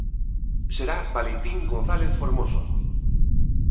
Será Valentín González Formoso.